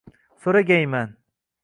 So’ragayman: